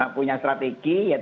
punya strategi ya